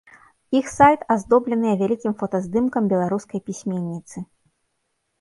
Іх сайт аздобленыя вялікім фотаздымкам беларускай пісьменніцы.